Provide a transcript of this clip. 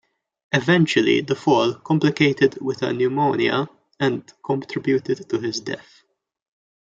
Eventually the fall complicated with a pneumonia and contributed to his death.